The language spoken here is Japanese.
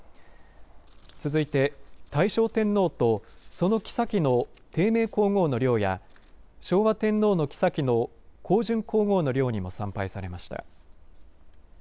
続いて大正天皇とそのきさきの貞明皇后の陵や昭和天皇のきさきの香淳皇后の陵にも参拝されました。